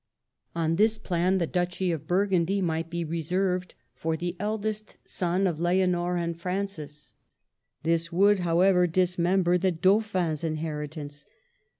On this plan the Duchy of Burgundy might be reserved for the eldest son of Leonor and Francis. This would, however, dismember the Dauphin's inheritance.